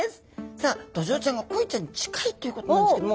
さあドジョウちゃんがコイちゃんに近いということなんですけども。